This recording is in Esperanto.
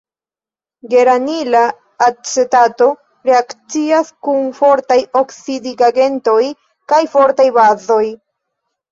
Geranila acetato reakcias kun fortaj oksidigagentoj kaj fortaj bazoj.